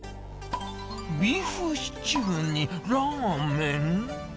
ビーフシチューにラーメン？